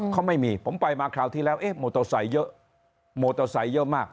เค้าไม่มีผมไปมาคราวทีแล้วโมโตเศษเยอะมาก